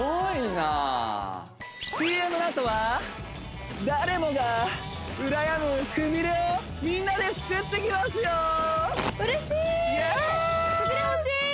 ＣＭのあとは誰もがうらやむくびれをみんなで作っていきますよ嬉しい！